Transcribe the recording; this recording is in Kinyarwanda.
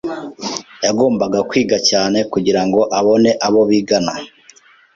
Yagombaga kwiga cyane kugira ngo abone abo bigana.